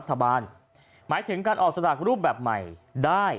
หมายถึงการออกสลากรูปแบบใหม่ได้